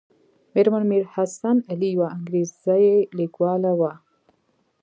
مېرمن میر حسن علي یوه انګریزۍ لیکواله وه.